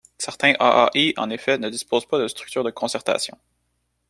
Certaines AAI, en effet, ne disposent pas de structures de concertation.